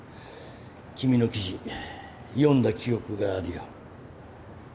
君の記事読んだ記憶があるよ。